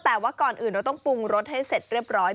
แต่ว่าก่อนอื่นเราต้องปรุงรสให้เสร็จเรียบร้อย